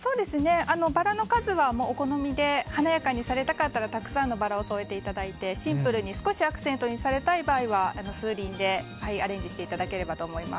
バラの数はお好みで華やかにされたかったらたくさんのバラを添えていただいてシンプルに少しアクセントにされたい場合は数輪でアレンジしていただければと思います。